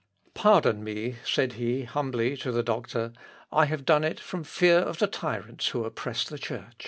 "Pardon me," said he humbly to the doctor; "I have done it from fear of the tyrants who oppress the Church."